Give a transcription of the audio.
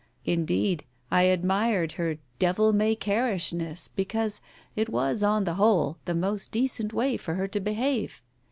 Indeed, I admired her devil may carishness because it was on the whole the most decent way for her to behave.